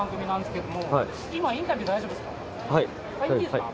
いいですか？